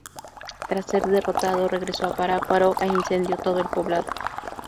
Tras ser derrotado regresó a Parácuaro e incendió todo el poblado.